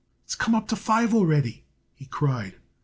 "It has come up to five already," he cried.